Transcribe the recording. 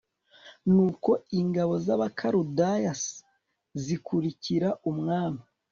Nuko ingabo z Abakaludaya s zikurikira umwami